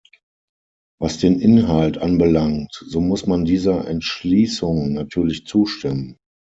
Was den Inhalt anbelangt, so muss man dieser Entschließung natürlich zustimmen.